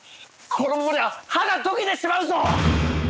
このままでは歯がとけてしまうぞ！